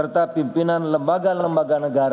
dan pimpinan lembaga lembaga negara